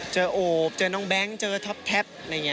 เจอโอปเจอน้องแบงค์เจอถ็อปแท็ป